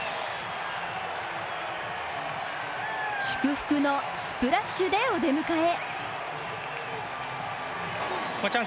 祝福のスプラッシュでお出迎え！